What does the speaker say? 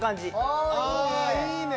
ああいいね！